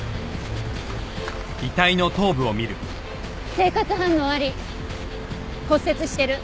生活反応あり骨折してる。